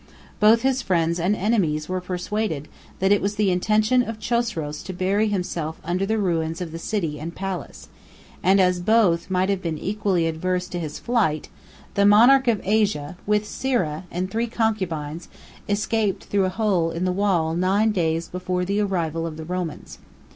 Both his friends and enemies were persuaded, that it was the intention of Chosroes to bury himself under the ruins of the city and palace: and as both might have been equally adverse to his flight, the monarch of Asia, with Sira, 1041 and three concubines, escaped through a hole in the wall nine days before the arrival of the Romans.